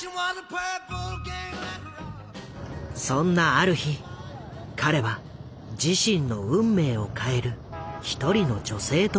そんなある日彼は自身の運命を変える一人の女性と出会う。